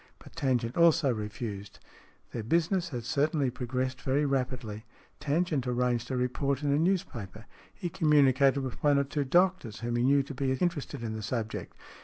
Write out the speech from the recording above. But Tangent also refused. Their business had certainly progressed very rapidly. Tangent arranged a report in a news paper. He communicated with one or two doctors whom he knew to be interested in the subject.